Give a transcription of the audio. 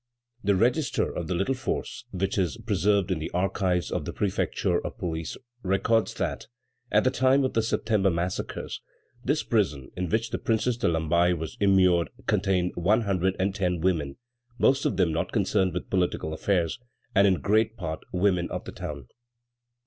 The register of the little Force, which is preserved in the archives of the prefecture of police, records that, at the time of the September massacres, this prison in which the Princess de Lamballe was immured, contained one hundred and ten women, most of them not concerned with political affairs, and in great part women of the town.